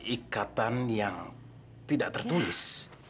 ikatan yang tidak tertulis